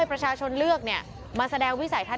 ประชาชนเลือกเนี่ยมาแสดงวิสัยทัศน์